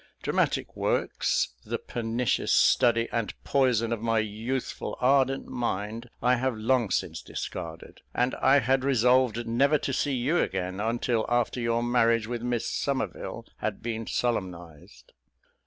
Dramatic works, the pernicious study and poison of my youthful ardent mind, I have long since discarded; and I had resolved never to see you again, until after your marriage with Miss Somerville had been solemnised.